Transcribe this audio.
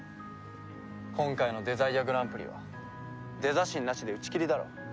今回のデザイアグランプリはデザ神なしで打ち切りだろ。